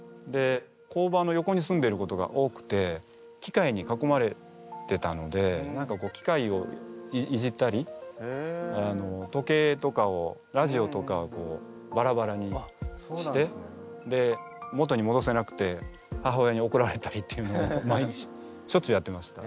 工場の横に住んでることが多くて機械にかこまれてたので機械をいじったり時計とかをラジオとかをバラバラにして元にもどせなくて母親におこられたりっていうのを毎日しょっちゅうやってました。